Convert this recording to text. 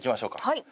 はい。